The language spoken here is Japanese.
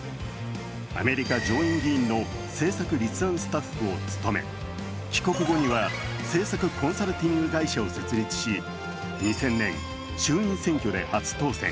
アメリカ上院議員の政策立案スタッフを務め帰国後には政策コンサルティング会社を設立し２０００年、衆院選挙で初当選。